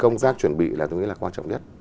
công tác chuẩn bị là tôi nghĩ là quan trọng nhất